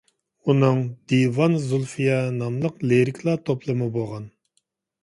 ئۇنىڭ «دىۋان زۇلفىيە» ناملىق لىرىكىلار توپلىمى بولغان.